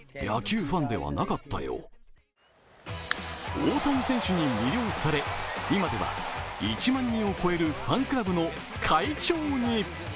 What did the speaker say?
大谷選手に魅了され、今では１万人を超えるファンクラブの会長に。